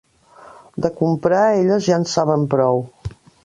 De comprar elles ja en saben prou